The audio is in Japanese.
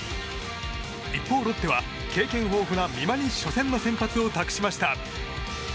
一方、ロッテは経験豊富な美馬に初戦の先発を託しました。